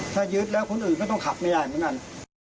ถ้ายึดแล้วคนอื่นก็ต้องขับไม่ได้เหมือนกัน